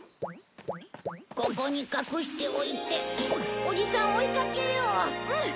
ここに隠しておいておじさんを追いかけよう。